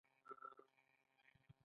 د ماشوم د حافظې لپاره څلور مغز ورکړئ